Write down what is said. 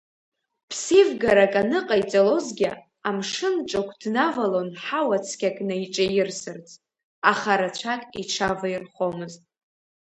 Ԥсеивгарак аныҟаиҵалозгьы амшынҿықә днавалон ҳауа цқьак наиҿаирсырц, аха рацәак иҽаваирхомызт.